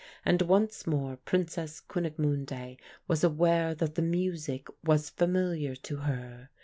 And once more Princess Kunigmunde was aware that the music was familiar to her.